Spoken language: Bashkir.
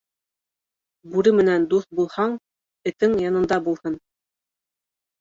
Бүре менән дуҫ булһаң, этең янында булһын.